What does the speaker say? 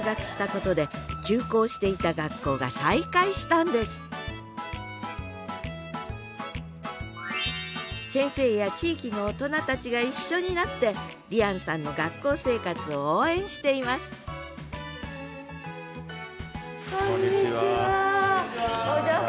ただ１人先生や地域の大人たちが一緒になって璃杏さんの学校生活を応援していますこんにちは。